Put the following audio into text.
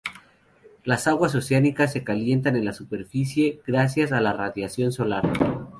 Las aguas oceánicas se calientan en la superficie gracias a la radiación solar.